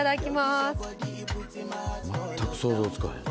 全く想像つかへん。